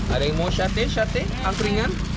ada yang mau sate sate angkringan